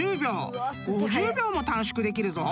［５０秒も短縮できるぞ］